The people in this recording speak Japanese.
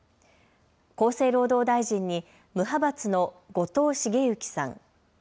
厚生労働大臣に無派閥の後藤茂之さん。